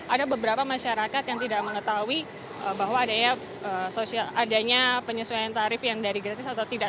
ada beberapa masyarakat yang tidak mengetahui bahwa adanya penyesuaian tarif yang dari gratis atau tidak